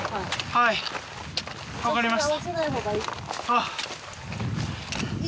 はい分かりました